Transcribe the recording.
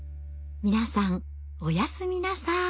皆さんおやすみなさい。